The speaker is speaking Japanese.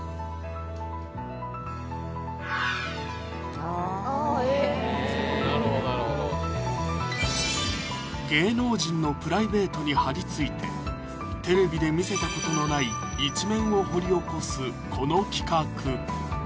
あなるほどなるほど芸能人のプライベートに張り付いてテレビで見せたことのない一面を掘り起こすこの企画